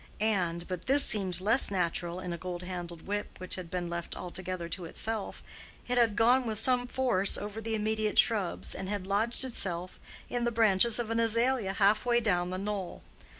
—and—but this seemed less natural in a gold handled whip which had been left altogether to itself—it had gone with some force over the immediate shrubs, and had lodged itself in the branches of an azalea half way down the knoll.